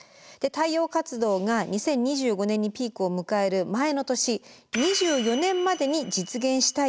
太陽活動が２０２５年にピークを迎える前の年２４年までに実現したいと急いでいると。